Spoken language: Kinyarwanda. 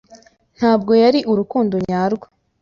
Ntabwo yari urukundo nyarwo.